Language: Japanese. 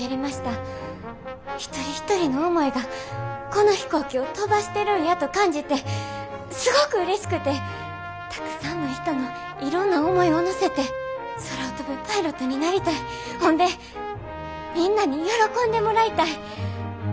一人一人の思いがこの飛行機を飛ばしてるんやと感じてすごくうれしくてたくさんの人のいろんな思いを乗せて空を飛ぶパイロットになりたいほんでみんなに喜んでもらいたい。